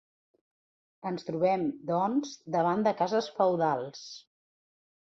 Ens trobem, doncs, davant de cases feudals.